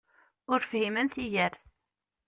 Ur fhimen tigert!